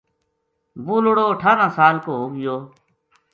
وہ لُڑو اٹھارہ سال کو ہو گیو